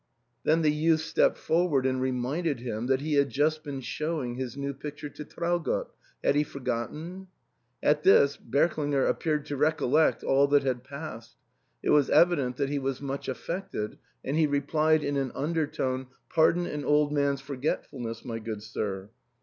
Then the youth stepped forward and reminded him that he had just been showing his new picture to Traugott, had he forgotten ? At this Berklinger ap peared to recollect all that had passed ; it was evi dent that he was much affected ; and he replied in an undertone, " Pardon an old man's forgetfulness, my good sir."